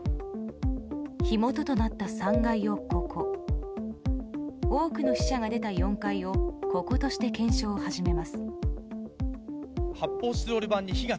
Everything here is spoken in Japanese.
火元となった３階をここ多くの死者が出た４階をこことして検証を始めます。